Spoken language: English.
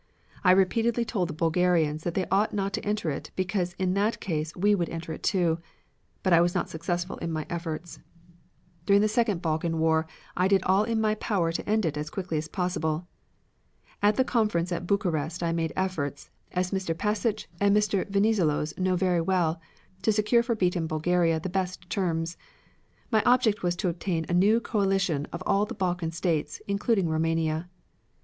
I repeatedly told the Bulgarians that they ought not to enter it because in that case we would enter it too. But I was not successful in my efforts. "During the second Balkan war I did all in my power to end it as quickly as possible. At the conference at Bucharest I made efforts, as Mr. Pashich and Mr. Venizelos know very well, to secure for beaten Bulgaria the best terms. My object was to obtain a new coalition of all the Balkan States, including Roumania.